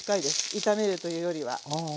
炒めるというよりは。